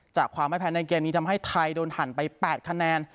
จากความไม่แพ้ในเกมนี้ทำให้ไทยโดนหั่นไป๘คะแนน